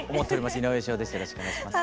よろしくお願いします。